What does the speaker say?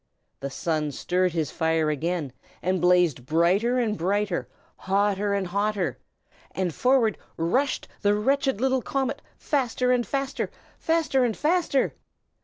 The Sun stirred his fire again, and blazed brighter and brighter, hotter and hotter; and forward rushed the wretched little comet, faster and faster, faster and faster!